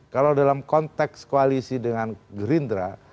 kalau dalam konteks koalisi dengan gerindra